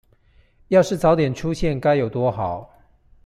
要是早點出現該有多好